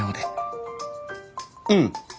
うん。